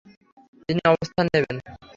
তিনি অবস্থান নেবেন।